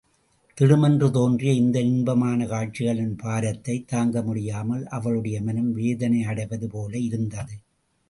திடுமென்று தோன்றிய இந்த இன்பமான காட்சிகளின் பாரத்தைத் தாங்க முடியாமல் அவளுடைய மனம் வேதனையடைவது போல் இருந்தது.